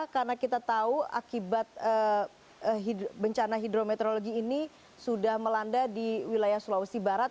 karena kita tahu akibat bencana hidrometeorologi ini sudah melanda di wilayah sulawesi barat